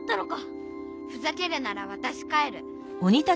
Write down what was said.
ふざけるならわたし帰る。